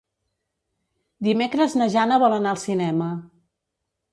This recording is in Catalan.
Dimecres na Jana vol anar al cinema.